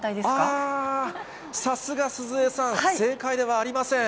さすが鈴江さん、正解ではありません。